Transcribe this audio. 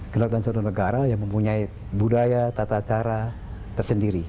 kedaulatan suatu negara yang mempunyai budaya tata cara tersendiri